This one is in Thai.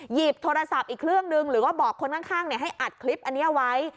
หยิบโทรศัพท์อีกเครื่องนึงหรือว่าบอกคนข้างให้อัดคลิปอันนี้เอาไว้